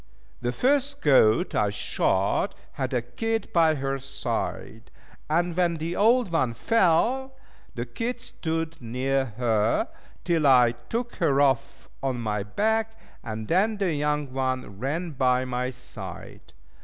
The first goat I shot had a kid by her side, and when the old one fell, the kid stood near her, till I took her off on my back, and then the young one ran by my side.